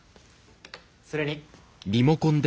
それに。